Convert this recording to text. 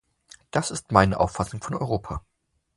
Das ist meine Auffassung von Europa.